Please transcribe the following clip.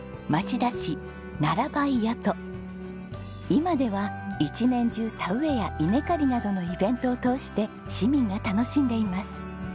今では一年中田植えや稲刈りなどのイベントを通して市民が楽しんでいます。